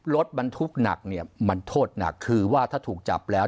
รถบรรทุกหนักเนี่ยมันโทษหนักคือว่าถ้าถูกจับแล้ว